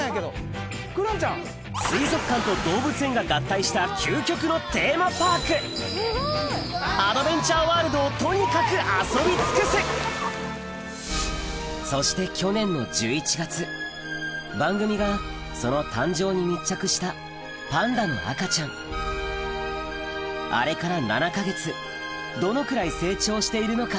水族館と動物園が合体した究極のテーマパークアドベンチャーワールドをとにかく遊び尽くすそして去年の１１月番組がその誕生に密着したパンダの赤ちゃんあれから７か月どのくらい成長しているのか？